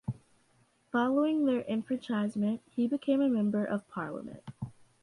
Following their enfranchisement, he became a Member of Parliament.